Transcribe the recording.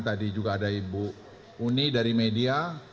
tadi juga ada ibu uni dari media